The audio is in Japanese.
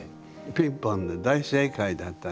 ピンポンで大正解だったの。